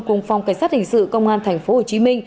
cùng phòng cảnh sát hình sự công an tp hcm